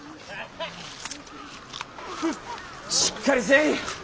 しっかりせい。